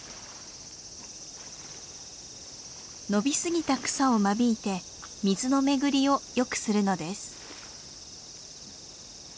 伸びすぎた草を間引いて水の巡りをよくするのです。